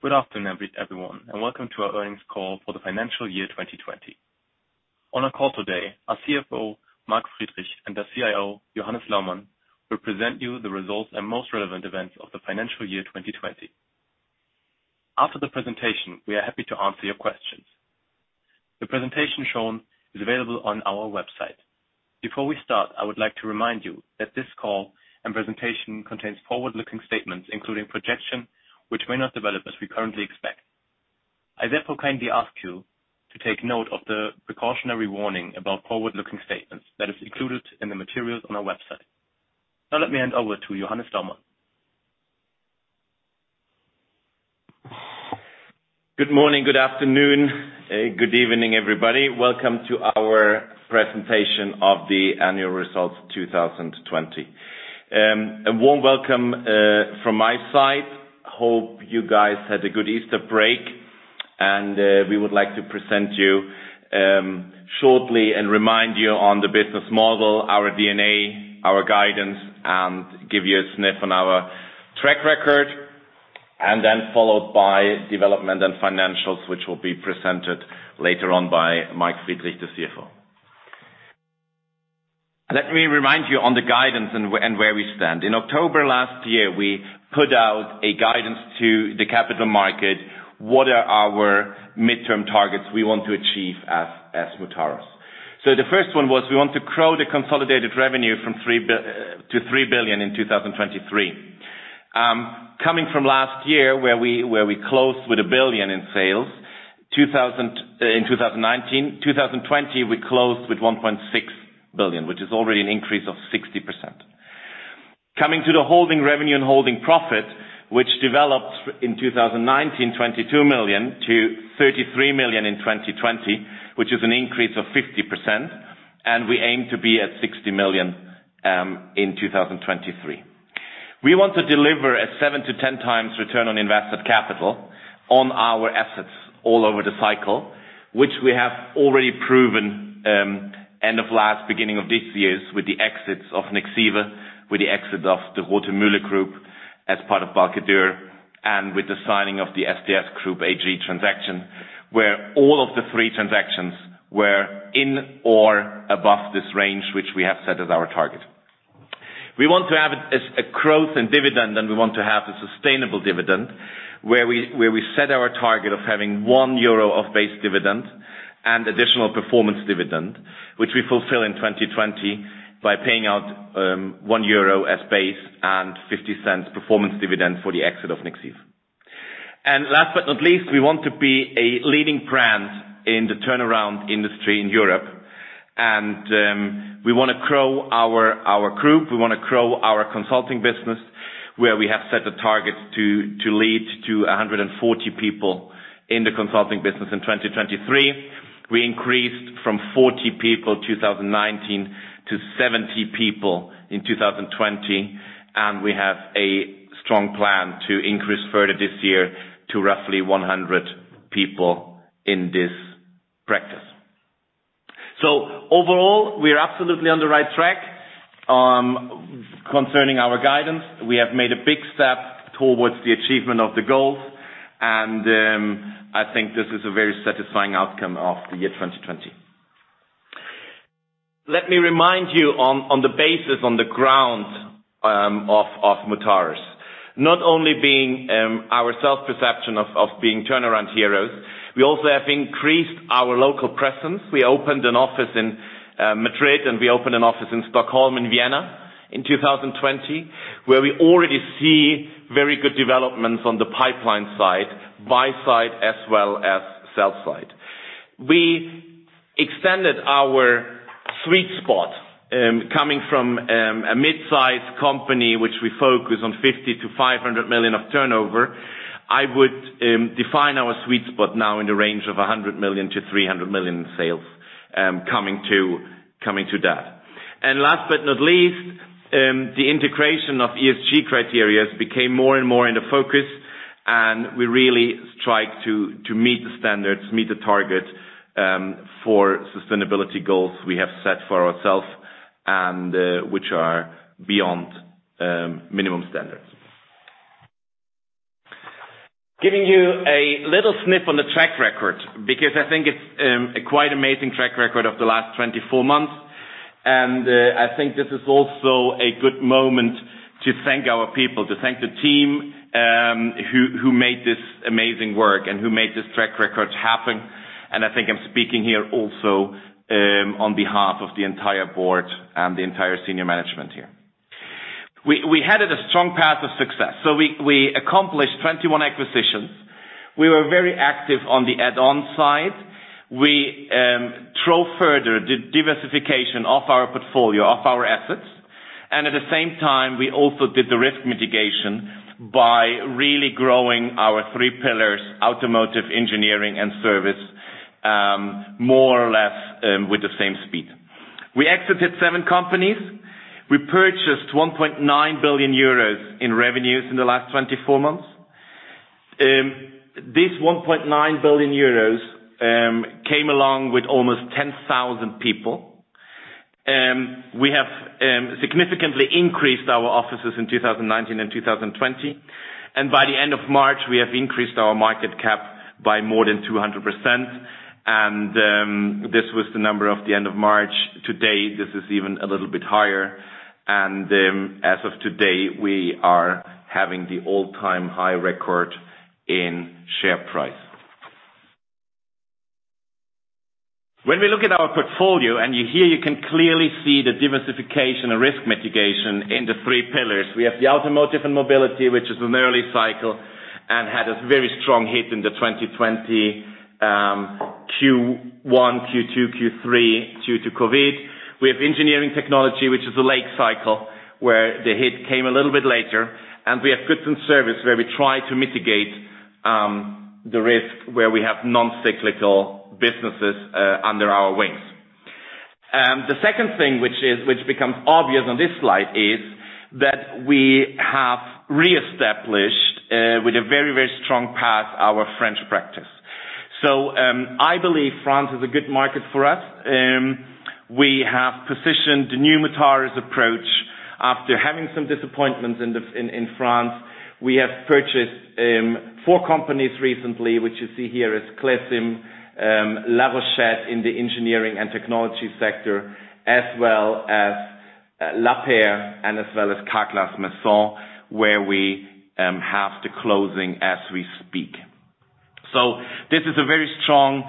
Good afternoon, everyone, and welcome to our earnings call for the financial year 2020. On our call today, our CFO, Mark Friedrich, and our CIO, Johannes Laumann, will present you the results and most relevant events of the financial year 2020. After the presentation, we are happy to answer your questions. The presentation shown is available on our website. Before we start, I would like to remind you that this call and presentation contains forward-looking statements, including projection, which may not develop as we currently expect. I therefore kindly ask you to take note of the precautionary warning about forward-looking statements that is included in the materials on our website. Now let me hand over to Johannes Laumann. Good morning, good afternoon, good evening, everybody. Welcome to our presentation of the annual results 2020. A warm welcome from my side. We would like to present you shortly and remind you on the business model, our DNA, our guidance, and give you a sniff on our track record, and then followed by development and financials, which will be presented later on by Mark Friedrich, the CFO. Let me remind you on the guidance and where we stand. In October last year, we put out a guidance to the capital market, what are our midterm targets we want to achieve as Mutares. The first one was we want to grow the consolidated revenue to 3 billion in 2023. Coming from last year, where we closed with 1 billion in sales in 2019. 2020, we closed with 1.6 billion, which is already an increase of 60%. Coming to the holding revenue and holding profit, which developed in 2019, 22 million to 33 million in 2020, which is an increase of 50%. We aim to be at 60 million in 2023. We want to deliver a 7x to 10x return on invested capital on our assets all over the cycle, which we have already proven end of last, beginning of this year, with the exits of Nexive, with the exit of the Rothemühle group as part of BEXity, and with the signing of the STS Group AG transaction, where all of the three transactions were in or above this range, which we have set as our target. We want to have a growth in dividend and we want to have a sustainable dividend, where we set our target of having 1 euro of base dividend and additional performance dividend, which we fulfill in 2020 by paying out 1 euro as base and 0.50 performance dividend for the exit of Nexive. Last but not least, we want to be a leading brand in the turnaround industry in Europe. We want to grow our group. We want to grow our consulting business, where we have set the targets to lead to 140 people in the consulting business in 2023. We increased from 40 people in 2019 to 70 people in 2020. We have a strong plan to increase further this year to roughly 100 people in this practice. Overall, we are absolutely on the right track. Concerning our guidance, we have made a big step towards the achievement of the goals, and I think this is a very satisfying outcome of the year 2020. Let me remind you on the basis, on the grounds of Mutares. Not only being our self-perception of being turnaround heroes, we also have increased our local presence. We opened an office in Madrid, and we opened an office in Stockholm and Vienna in 2020, where we already see very good developments on the pipeline side, buy side, as well as sell side. We extended our sweet spot, coming from a midsize company, which we focus on 50 million-500 million of turnover. I would define our sweet spot now in the range of 100 million-300 million in sales coming to that. Last but not least, the integration of ESG criteria became more and more in the focus, and we really strive to meet the standards, meet the target for sustainability goals we have set for ourselves and which are beyond minimum standards. Giving you a little sniff on the track record, because I think it's a quite amazing track record of the last 24 months, and I think this is also a good moment to thank our people, to thank the team who made this amazing work and who made this track record happen. I think I'm speaking here also on behalf of the entire board and the entire senior management here. We headed a strong path of success. We accomplished 21 acquisitions. We were very active on the add-on side. We drove further diversification of our portfolio, of our assets. At the same time, we also did the risk mitigation by really growing our three pillars, Automotive, Engineering, and Service, more or less with the same speed. We exited seven companies. We purchased 1.9 billion euros in revenues in the last 24 months. This 1.9 billion euros came along with almost 10,000 people. We have significantly increased our offices in 2019 and 2020. By the end of March, we have increased our market cap by more than 200%. This was the number of the end of March. Today, this is even a little bit higher. As of today, we are having the all-time high record in share price. When we look at our portfolio, and here you can clearly see the diversification and risk mitigation in the three pillars. We have the Automotive & Mobility, which is an early cycle and had a very strong hit in the 2020 Q1, Q2, Q3 due to COVID-19. We have Engineering & Technology, which is a late cycle, where the hit came a little bit later. We have Goods & Services where we try to mitigate the risk where we have non-cyclical businesses under our wings. The second thing which becomes obvious on this slide is that we have re-established, with a very strong path, our French practice. I believe France is a good market for us. We have positioned the new Mutares approach after having some disappointments in France. We have purchased four companies recently, which you see here is Clecim, La Rochette in the Engineering & Technology sector, as well as Lapeyre, as well as Carglass Maison, where we have the closing as we speak. This is a very strong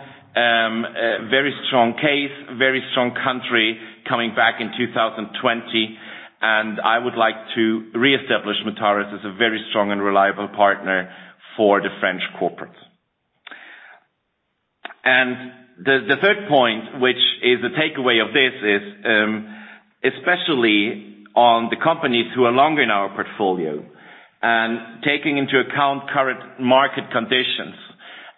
case, very strong country coming back in 2020, and I would like to reestablish Mutares as a very strong and reliable partner for the French corporates. The third point, which is the takeaway of this, is especially on the companies who are longer in our portfolio and taking into account current market conditions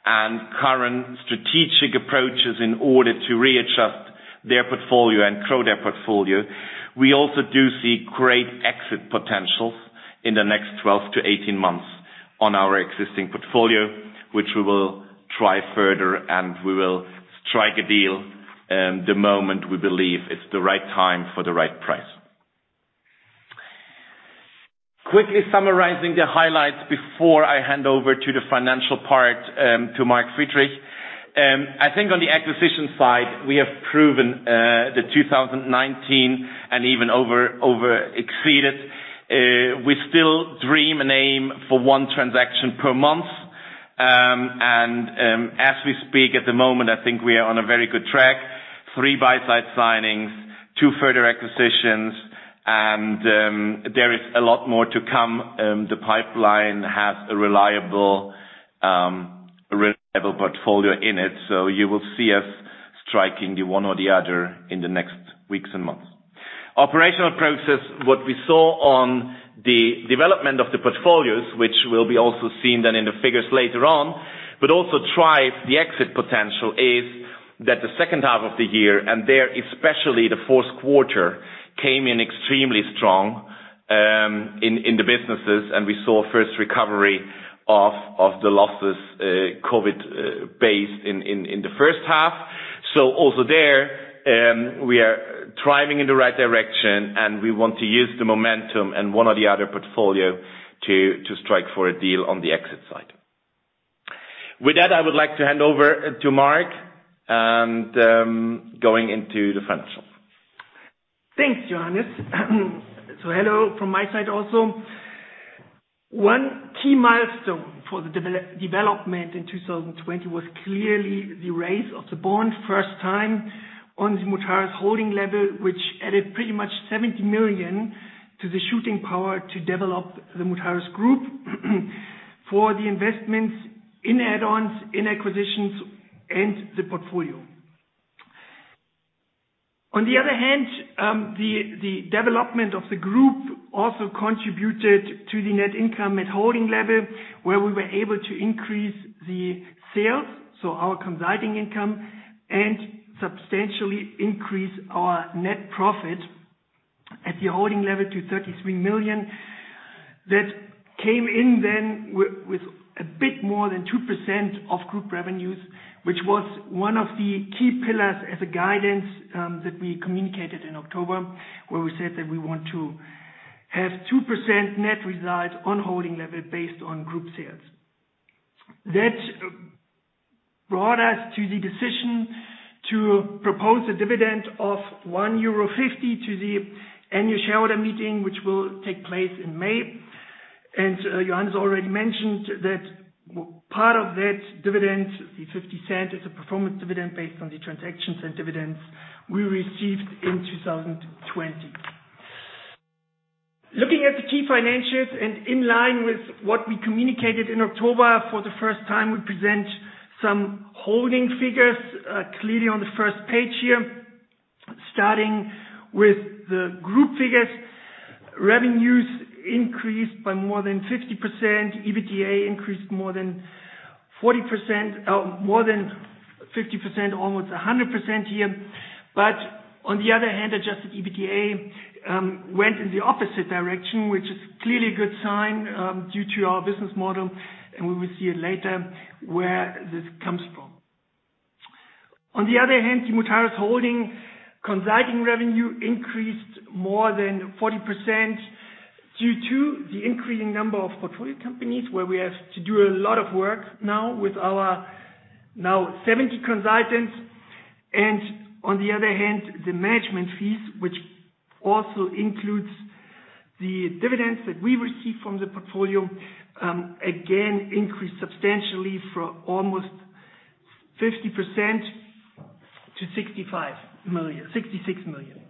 and current strategic approaches in order to readjust their portfolio and grow their portfolio. We also do see great exit potentials in the next 12 to 18 months on our existing portfolio, which we will try further and we will strike a deal the moment we believe it's the right time for the right price. Quickly summarizing the highlights before I hand over to the financial part to Mark Friedrich. I think on the acquisition side, we have proven the 2019 and even over exceeded. We still dream and aim for one transaction per month. As we speak at the moment, I think we are on a very good track, three buy-side signings, two further acquisitions, and there is a lot more to come. The pipeline has a reliable portfolio in it. You will see us striking the one or the other in the next weeks and months. Operational progress, what we saw on the development of the portfolios, which will be also seen then in the figures later on, but also drives the exit potential is that the second half of the year, and there especially the fourth quarter, came in extremely strong in the businesses, and we saw first recovery of the losses COVID-based in the first half. Also there, we are thriving in the right direction, and we want to use the momentum and one or the other portfolio to strike for a deal on the exit side. With that, I would like to hand over to Mark, and going into the financials. Thanks, Johannes. Hello from my side also. One key milestone for the development in 2020 was clearly the raise of the bond first time on the Mutares Holding level, which added pretty much 70 million to the shooting power to develop the Mutares Group for the investments in add-ons, in acquisitions and the portfolio. On the other hand, the development of the Group also contributed to the net income at Holding level, where we were able to increase the sales, our consulting income, and substantially increase our net profit at the Holding level to 33 million. That came in with a bit more than 2% of Group revenues, which was one of the key pillars as a guidance that we communicated in October, where we said that we want to have 2% net result on Holding level based on Group sales. That brought us to the decision to propose a dividend of 1.50 euro to the annual shareholder meeting, which will take place in May. Johannes already mentioned that part of that dividend, the 0.50 as a performance dividend based on the transactions and dividends we received in 2020. Looking at the key financials and in line with what we communicated in October, for the first time, we present some holding figures clearly on the first page here. Starting with the group figures. Revenues increased by more than 50%. EBITDA increased more than 50%, almost 100% here. On the other hand, adjusted EBITDA went in the opposite direction, which is clearly a good sign due to our business model, and we will see it later where this comes from. On the other hand, the Mutares Holding consulting revenue increased more than 40% due to the increasing number of portfolio companies, where we have to do a lot of work now with our now 70 consultants. On the other hand, the management fees, which also includes the dividends that we receive from the portfolio, again increased substantially from almost 50% to 66 million.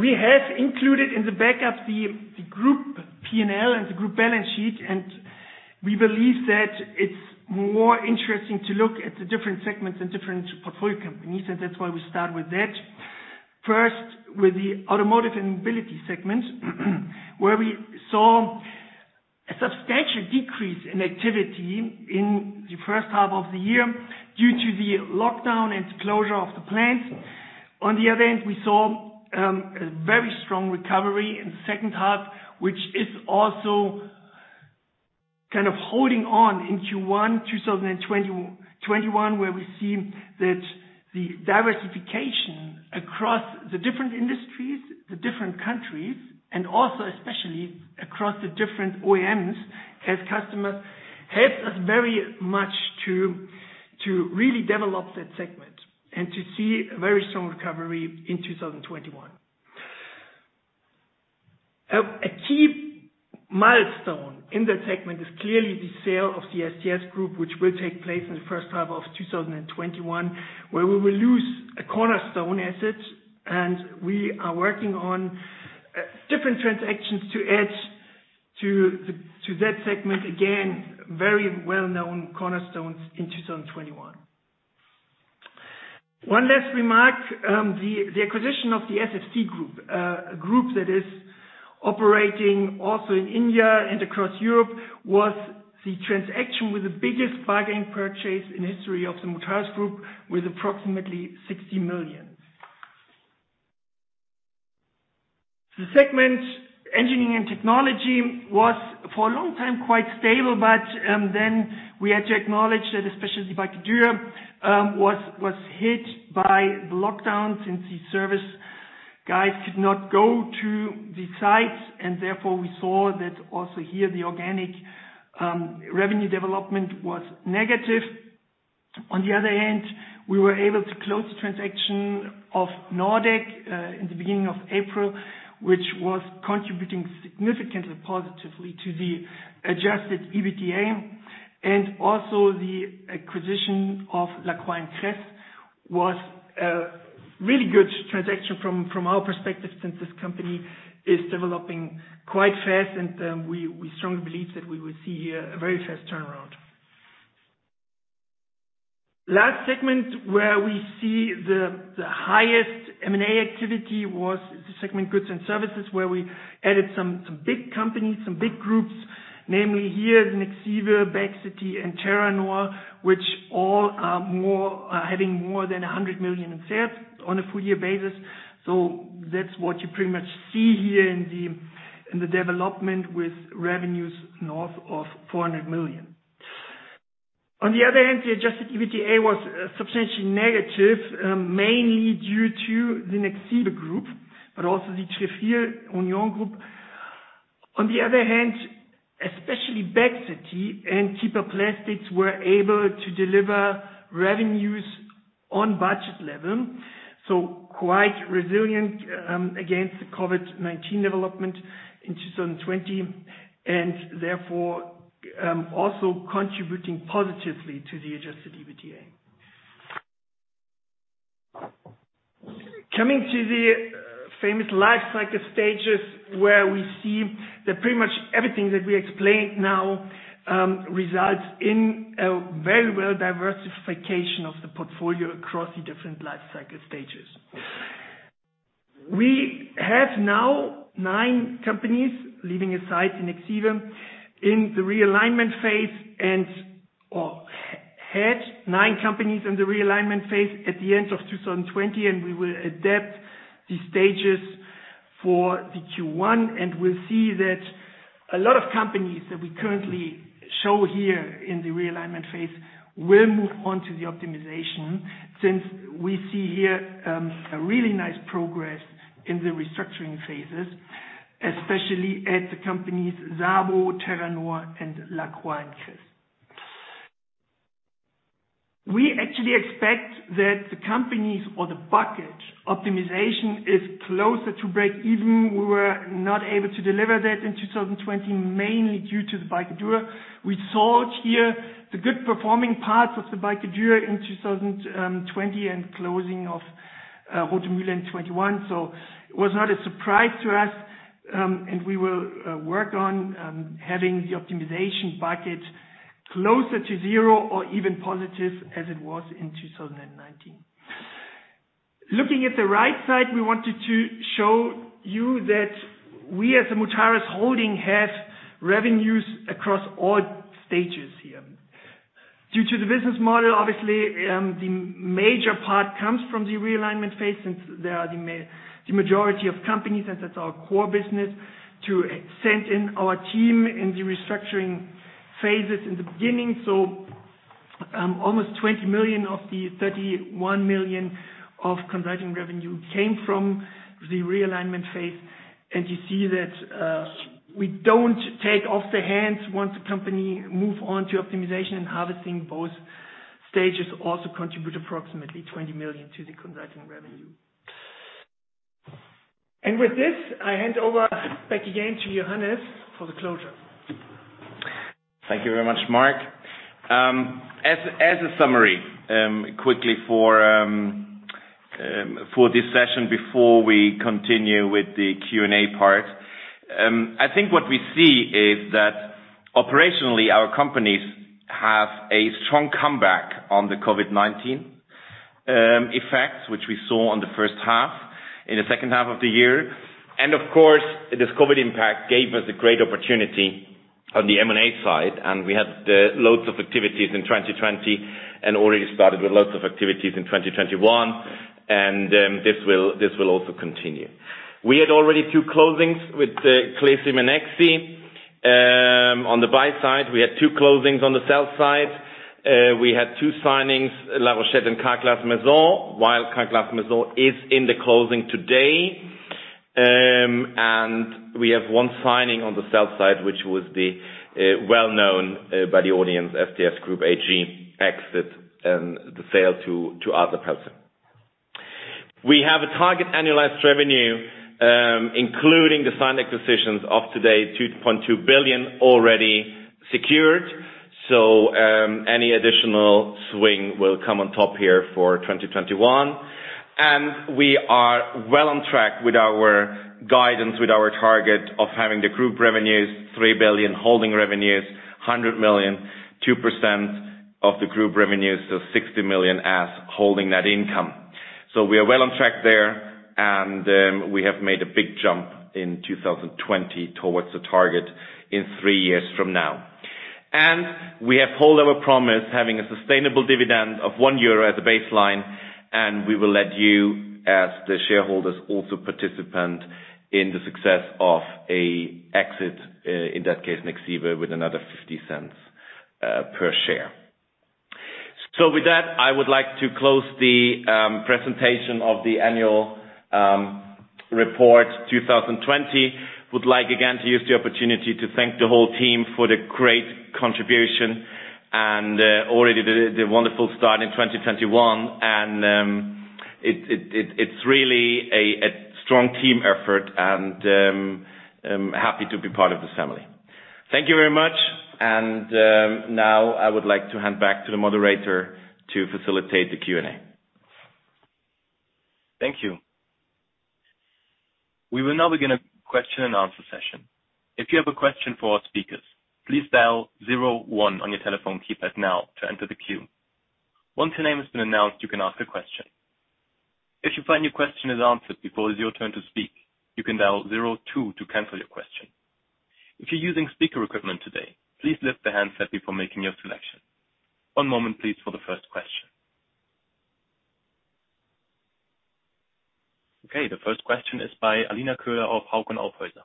We have included in the backup the group P&L and the group balance sheet, and we believe that it's more interesting to look at the different segments and different portfolio companies, and that's why we start with that. With the Automotive & Mobility segment, where we saw a substantial decrease in activity in the first half of the year due to the lockdown and closure of the plants. We saw a very strong recovery in the second half, which is also kind of holding on in Q1 2021, where we see that the diversification across the different industries, the different countries, and also especially across the different OEMs as customers, helps us very much to really develop that segment and to see a very strong recovery in 2021. A key milestone in that segment is clearly the sale of the STS Group, which will take place in the first half of 2021, where we will lose a cornerstone asset, and we are working on different transactions to add to that segment, again, very well-known cornerstones in 2021. One last remark, the acquisition of the SFC Group, a group that is operating also in India and across Europe, was the transaction with the biggest bargain purchase in history of the Mutares Group, with approximately 60 million. The segment Engineering & Technology was, for a long time, quite stable, but then we had to acknowledge that especially the Balcke-Dürr was hit by the lockdown since the service guys could not go to the sites, and therefore we saw that also here, the organic revenue development was negative. On the other hand, we were able to close the transaction of Nordec in the beginning of April, which was contributing significantly positively to the adjusted EBITDA. Also the acquisition of Lacroix + Kress was a really good transaction from our perspective, since this company is developing quite fast and we strongly believe that we will see here a very fast turnaround. Last segment where we see the highest M&A activity was the segment Goods & Services, where we added some big companies, some big groups, namely here Nexive, BEXity, and Terranor, which all are having more than 100 million in sales on a full year basis. That's what you pretty much see here in the development with revenues north of 400 million. On the other hand, the adjusted EBITDA was substantially negative, mainly due to the Nexive Group, but also the Frigör Union Group. On the other hand, especially BEXity and KIEPE Electric were able to deliver revenues on budget level, so quite resilient against the COVID-19 development in 2020, and therefore, also contributing positively to the adjusted EBITDA. Coming to the famous life cycle stages, where we see that pretty much everything that we explained now results in a very well diversification of the portfolio across the different life cycle stages. We have now nine companies, leaving aside the Nexive, in the Realignment phase and, or had nine companies in the Realignment phase at the end of 2020, and we will adapt the stages for the Q1, and we'll see that a lot of companies that we currently show here in the Realignment phase will move on to the Optimization, since we see here a really nice progress in the restructuring phases, especially at the companies SABO, Terranor, and Lacroix + Kress. We actually expect that the companies or the bucket optimization is closer to break even. We were not able to deliver that in 2020, mainly due to the Balcke-Dürr. We sold here the good performing parts of the Balcke-Dürr in 2020 and closing of Rothemühle 2021. It was not a surprise to us, and we will work on having the optimization bucket closer to zero or even positive as it was in 2019. Looking at the right side, we wanted to show you that we as the Mutares Holding have revenues across all stages here. Due to the business model, obviously, the major part comes from the realignment phase since they are the majority of companies, and that's our core business to send in our team in the restructuring phases in the beginning. Almost 20 million of the 31 million of consulting revenue came from the Realignment phase. You see that we don't take off the hands once a company move on to Optimization and Harvesting, both stages also contribute approximately 20 million to the consulting revenue. With this, I hand over back again to Johannes for the closure. Thank you very much, Mark. As a summary, quickly for this session before we continue with the Q&A part. I think what we see is that operationally our companies have a strong comeback on the COVID-19 effects, which we saw on the first half, in the second half of the year. Of course, this COVID impact gave us a great opportunity on the M&A side, we had loads of activities in 2020 and already started with loads of activities in 2021 and this will also continue. We had already two closings with Clessie and Nexive. On the buy side, we had two closings on the sell side. We had two signings, La Rochette and Carglass Maison, while Carglass Maison is in the closing today. We have one signing on the sell side, which was the well-known by the audience, STS Group AG exit and the sale to Adler Pelzer Group. We have a target annualized revenue, including the signed acquisitions of today, 2.2 billion already secured. Any additional swing will come on top here for 2021. We are well on track with our guidance, with our target of having the group revenues 3 billion, holding revenues 100 million, 2% of the group revenues, so 60 million as holding net income. We are well on track there and we have made a big jump in 2020 towards the target in three years from now. We have held our promise, having a sustainable dividend of 1 euro as a baseline, and we will let you as the shareholders also participant in the success of a exit, in that case, Nexive, with another 0.50 per share. With that, I would like to close the presentation of the Annual Report 2020. I would like again to use the opportunity to thank the whole team for the great contribution and already the wonderful start in 2021. It's really a strong team effort and I'm happy to be part of this family. Thank you very much. Now I would like to hand back to the moderator to facilitate the Q&A. Thank you. We will now begin a question and answer session. If you have a question for our speakers, please dial zero one on your telephone keypad now to enter the queue. Once your name has been announced, you can ask a question. If you find your question is answered before it is your turn to speak, you can dial zero two to cancel your question. If you're using speaker equipment today, please lift the handset before making your selection. One moment please for the first question. Okay, the first question is by Alina Köhler of Hauck Aufhäuser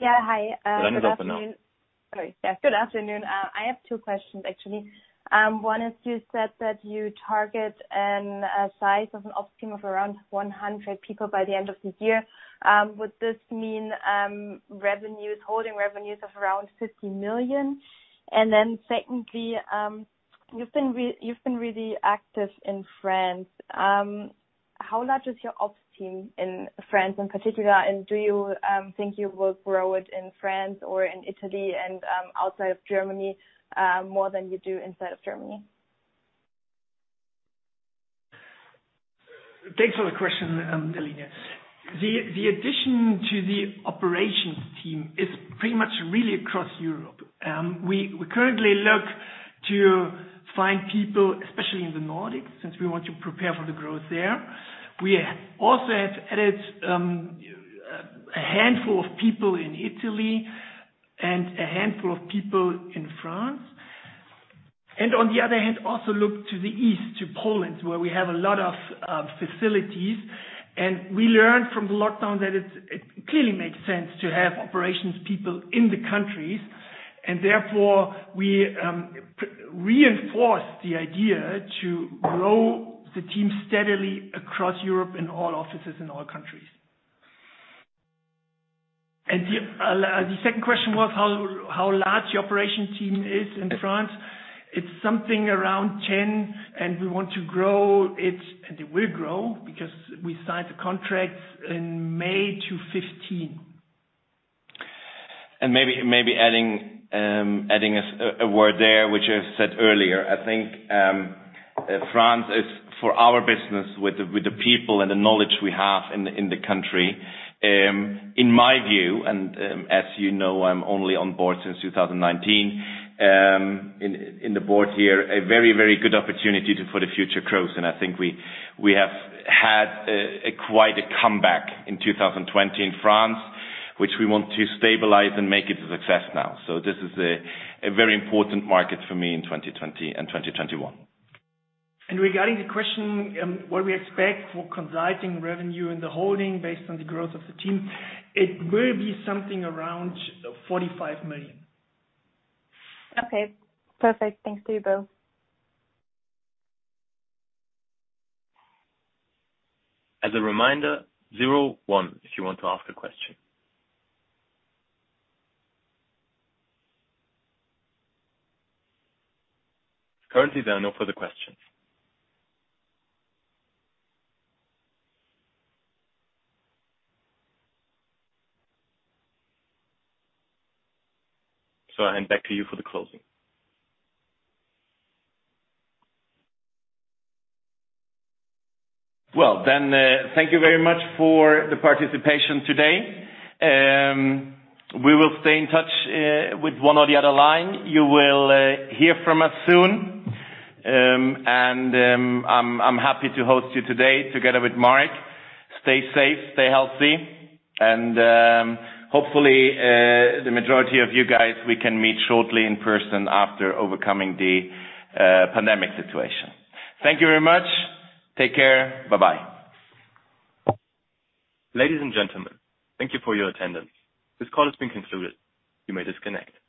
Lampe. Yeah. The line is open now. Sorry. Yeah. Good afternoon. I have two questions actually. One is you said that you target an size of an ops team of around 100 people by the end of the year. Would this mean holding revenues of around 50 million? Secondly, you've been really active in France. How large is your ops team in France in particular, and do you think you will grow it in France or in Italy and outside of Germany, more than you do inside of Germany? Thanks for the question, Alina. The addition to the operations team is pretty much really across Europe. We currently look to find people, especially in the Nordics, since we want to prepare for the growth there. We also have added a handful of people in Italy and a handful of people in France. On the other hand, also look to the east, to Poland, where we have a lot of facilities. We learned from the lockdown that it clearly makes sense to have operations people in the countries. Therefore, we reinforce the idea to grow the team steadily across Europe in all offices in all countries. The second question was how large the operation team is in France? It's something around 10, and we want to grow it, and it will grow because we signed the contracts in May to 15. Maybe adding a word there, which I said earlier. I think France is for our business with the people and the knowledge we have in the country, in my view, and as you know, I'm only on board since 2019, in the board here, a very good opportunity for the future growth. I think we have had quite a comeback in 2020 in France, which we want to stabilize and make it a success now. This is a very important market for me in 2020 and 2021. Regarding the question, what we expect for consulting revenue in the holding based on the growth of the team, it will be something around 45 million. Okay. Perfect. Thanks to you both. As a reminder, zero one if you want to ask a question. Currently, there are no further questions. I hand back to you for the closing. Thank you very much for the participation today. We will stay in touch, with one or the other line. You will hear from us soon. I'm happy to host you today together with Mark. Stay safe, stay healthy, and hopefully, the majority of you guys, we can meet shortly in person after overcoming the pandemic situation. Thank you very much. Take care. Bye-bye. Ladies and gentlemen, thank you for your attendance. This call has been concluded. You may disconnect.